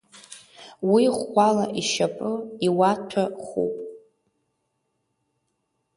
Уи ӷәӷәала ишьапы, иуаҭәа хәуп!